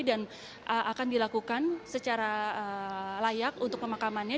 dan akan dilakukan secara layak untuk pemakamannya